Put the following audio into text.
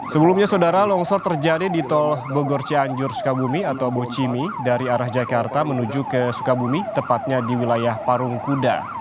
sebelumnya saudara longsor terjadi di tol bogor cianjur sukabumi atau bocimi dari arah jakarta menuju ke sukabumi tepatnya di wilayah parung kuda